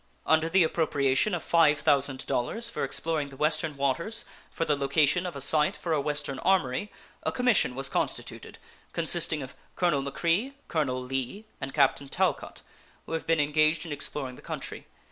Under the appropriation of $5,000 for exploring the Western waters for the location of a site for a Western armory, a commission was constituted, consisting of Colonel McRee, Colonel Lee, and Captain Talcott, who have been engaged in exploring the country.